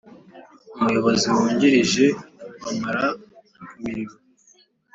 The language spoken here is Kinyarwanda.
Umuyobozi Wungirije bamara ku mirimo